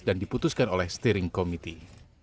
dan diputuskan oleh steering committee